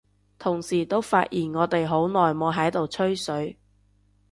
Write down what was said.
同時都發現我哋好耐冇喺度吹水，